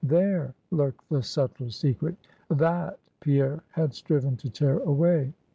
There, lurked the subtler secret: that, Pierre had striven to tear away.